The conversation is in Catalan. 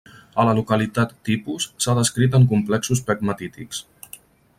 A la localitat tipus s’ha descrit en complexos pegmatítics.